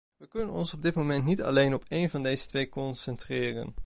Wij kunnen ons op dit moment niet alleen op één van deze twee concentreren.